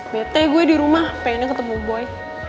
bete gue di rumah pengennya ketemu boy